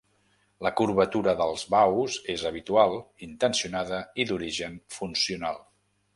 La curvatura dels baus és habitual, intencionada i d'origen funcional.